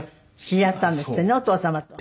知り合ったんですってねお父様と。